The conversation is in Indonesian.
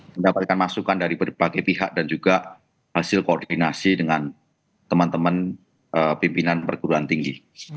mendapatkan masukan dari berbagai pihak dan juga hasil koordinasi dengan teman teman pimpinan perguruan tinggi